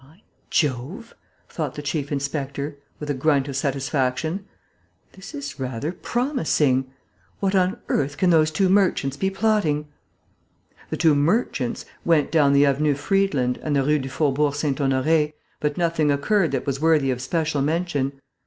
"By Jove!" thought the chief inspector, with a grunt of satisfaction. "This is rather promising.... What on earth can those two merchants be plotting?" The two "merchants" went down the Avenue Friedland and the Rue du Faubourg Saint Honoré, but nothing occurred that was worthy of special mention.